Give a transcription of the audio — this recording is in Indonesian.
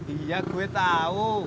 iya gue tau